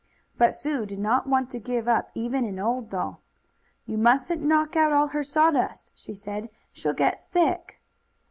But Sue did not want to give up even an old doll. "You mustn't knock out all her sawdust," she said. "She'll get sick."